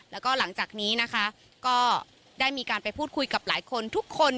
แล้วก็หลังจากนี้นะคะก็ได้มีการไปพูดคุยกับหลายคนทุกคน